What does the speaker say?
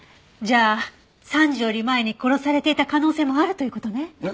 じゃあ３時より前に殺されていた可能性もあるという事ね。